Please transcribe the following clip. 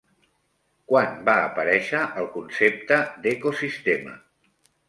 Quan va aparèixer el concepte d'ecosistema?